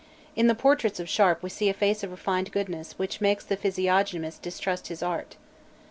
In the portraits of Sharp we see a face of refined goodness which makes the physiognomist distrust his art.